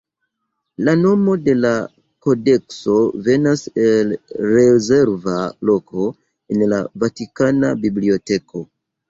La nomo de la kodekso venas el rezerva loko en la Vatikana biblioteko.